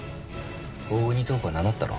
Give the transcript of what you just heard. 大國塔子は名乗ったろ？